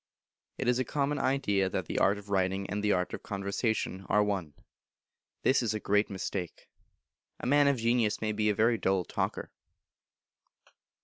It is a Common Idea that the art of writing and the art of conversation are one; this is a great mistake. A man of genius may be a very dull talker.